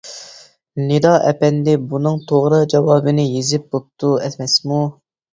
نىدا ئەپەندى بۇنىڭ توغرا جاۋابىنى يېزىپ بوپتۇ ئەمەسمۇ.